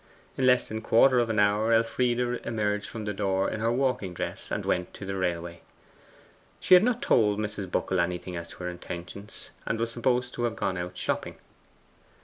In less than a quarter of an hour Elfride emerged from the door in her walking dress, and went to the railway. She had not told Mrs. Buckle anything as to her intentions, and was supposed to have gone out shopping.